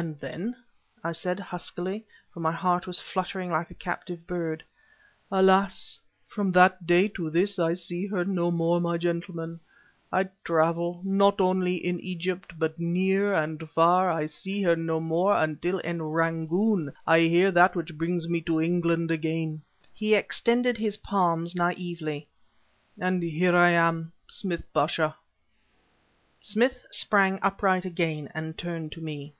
"And then?" I said, huskily for my heart was fluttering like a captive bird. "Alas! from that day to this I see her no more, my gentlemen. I travel, not only in Egypt, but near and far, and still I see her no more until in Rangoon I hear that which brings me to England again" he extended his palms naively "and here I am Smith Pasha." Smith sprang upright again and turned to me.